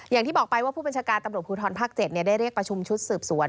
อย่างที่บอกไปว่าผู้บัญชาการตำรวจภูทรภาค๗ได้เรียกประชุมชุดสืบสวน